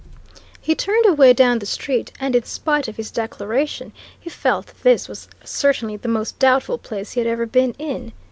He turned away down the street and in spite of his declaration, he felt that this was certainly the most doubtful place he had ever been in.